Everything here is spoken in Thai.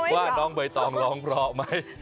ว่าน้องใบตองร้องเพราะไหม